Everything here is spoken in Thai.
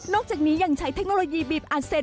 นอกจากนี้ยังใช้เทคโนโลยีบีบอัลเซ็ต